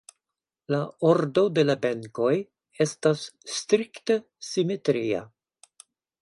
La ordo de la benkoj estas strikte simetria.